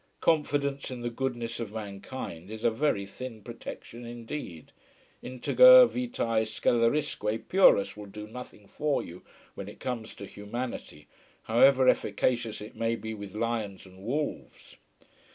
Confidence in the goodness of mankind is a very thin protection indeed. Integer vitae scelerisque purus will do nothing for you when it comes to humanity, however efficacious it may be with lions and wolves.